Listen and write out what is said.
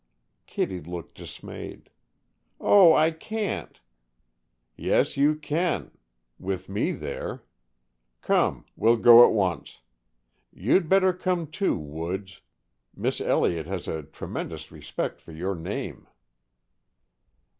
Kittie looked dismayed. "Oh, I can't, " "Yes, you can, with me there. Come, we'll go at once. You'd better come, too. Woods. Miss Elliott has a tremendous respect for your name!"